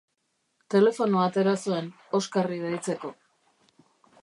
Telefonoa atera zuen Oskarri deitzeko.